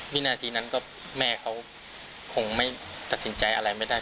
วินาทีนั้นก็แม่เขาคงไม่ตัดสินใจอะไรไม่ได้